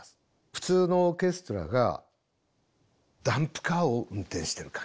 普通のオーケストラがダンプカーを運転してる感じ。